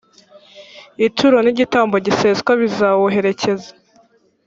ituro n’igitambo giseswa bizawuherekeza.